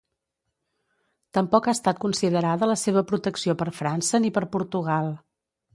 Tampoc ha estat considerada la seva protecció per França, ni per Portugal.